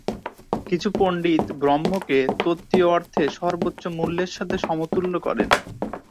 কিছু পণ্ডিত ব্রহ্মকে তত্ত্বীয় অর্থে সর্বোচ্চ মূল্যের সাথে সমতুল্য করেন।